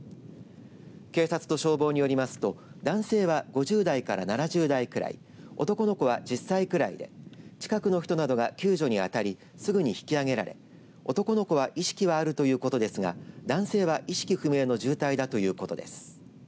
警察と消防によりますと男性は５０代から７０代くらい男の子は１０歳くらいで近くの人などが救助に当たりすぐに引き揚げられ、男の子は意識はあるということですが男性は意識不明の重体だということです。